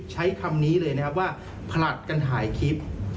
ใช้คำนี้เลยนะครับว่าผลัดกันถ่ายคลิป